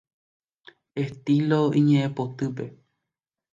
Estilo iñe'ẽpotýpe.